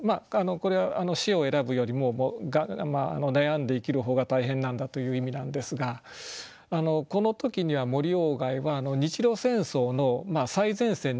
これは死を選ぶよりも悩んで生きる方が大変なんだという意味なんですがこの時には森鴎外は日露戦争の最前線にいたわけです。